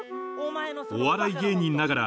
お笑い芸人ながら